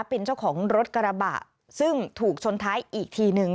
เป็นเจ้าของรถกระบะซึ่งถูกชนท้ายอีกทีนึง